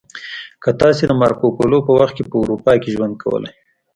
که تاسې د مارکو پولو په وخت کې په اروپا کې ژوند کولی